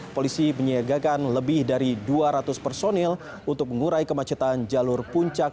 polisi menyiagakan lebih dari dua ratus personil untuk mengurai kemacetan jalur puncak